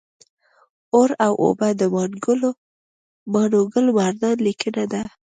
اور او اوبه د ماڼوګل مردان لیکنه ده